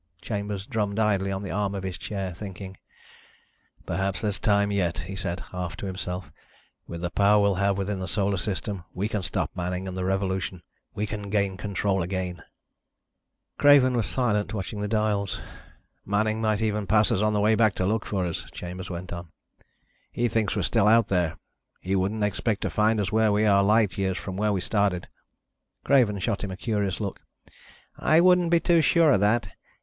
Chambers drummed idly on the arm of his chair, thinking. "Perhaps there's time yet," he said, half to himself. "With the power we'll have within the Solar System, we can stop Manning and the revolution. We can gain control again." Craven was silent, watching the dials. "Manning might even pass us on the way back to look for us," Chambers went on. "He thinks we're still out there. He wouldn't expect to find us where we are, light years from where we started." Craven shot him a curious look. "I wouldn't be too sure of that.